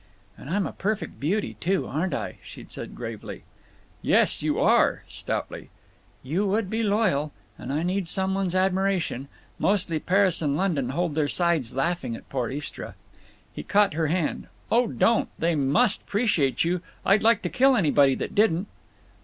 "And I'm a perfect beauty, too, aren't I?" she said, gravely. "Yes, you are!" stoutly. "You would be loyal…. And I need some one's admiration…. Mostly, Paris and London hold their sides laughing at poor Istra." He caught her hand. "Oh, don't! They must 'preciate you. I'd like to kill anybody that didn't!"